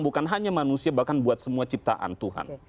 bukan hanya manusia bahkan buat semua ciptaan tuhan